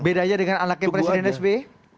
beda aja dengan anaknya presiden sbi